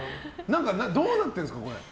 どうなってるんですか。